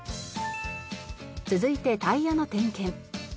続いてタイヤの点検。